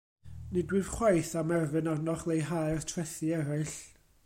Nid wyf chwaith am erfyn arnoch leihau'r trethi eraill.